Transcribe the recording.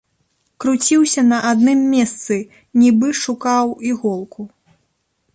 Круціўся на адным месцы, нібы шукаў іголку.